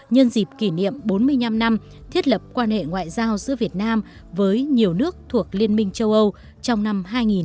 nhân dịp kỷ niệm bốn mươi năm năm thiết lập quan hệ ngoại giao giữa việt nam với nhiều nước thuộc liên minh châu âu trong năm hai nghìn hai mươi